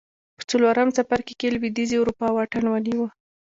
په څلورم څپرکي کې لوېدیځې اروپا واټن ونیو